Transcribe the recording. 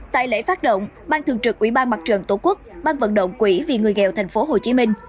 tại lễ phát động ban thường trực ubnd tổ quốc ban vận động quỹ vì người nghèo thành phố hồ chí minh